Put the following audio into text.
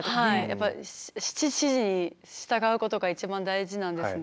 やっぱ指示に従うことが一番大事なんですね。